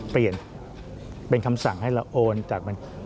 เปลี่ยนเป็นคำสั่งให้เราโอนจากบัญชี